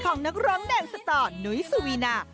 ของนักร้องแนวสตอร์นุ้ยสุวีนา